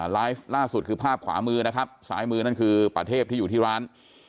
ไลฟ์ล่าสุดคือภาพขวามือนะครับซ้ายมือนั่นคือประเทพที่อยู่ที่ร้าน